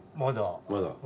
まだ。